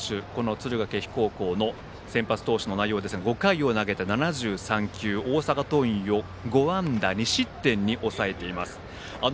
敦賀気比高校の先発投手５回投げて７３球大阪桐蔭を５安打２失点に抑えています。